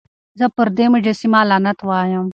زه پر دې مجسمه لعنت وايم.